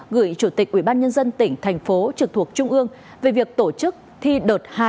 gửi chủ tịch ubnd tỉnh thành phố trực thuộc trung ương về việc tổ chức thi đợt hai